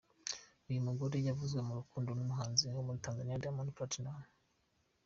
Uyu mugore yavuzwe mu rukundo n’umuhanzi wo muri Tanzania Diamond Platnmuz.